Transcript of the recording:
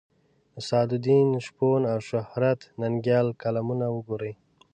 د سعدالدین شپون او شهرت ننګیال کالمونه وګورئ.